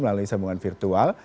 melalui sambungan virtual